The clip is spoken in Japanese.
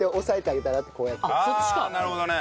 ああなるほどね。